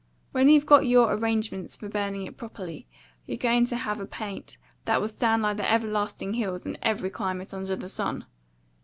When you've got your arrangements for burning it properly, you're going to have a paint that will stand like the everlasting hills, in every climate under the sun.'